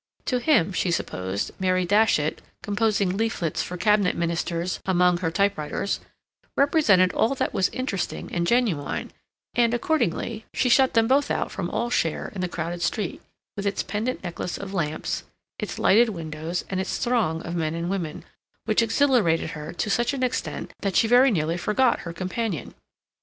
To him, she supposed, Mary Datchet, composing leaflets for Cabinet Ministers among her typewriters, represented all that was interesting and genuine; and, accordingly, she shut them both out from all share in the crowded street, with its pendant necklace of lamps, its lighted windows, and its throng of men and women, which exhilarated her to such an extent that she very nearly forgot her companion.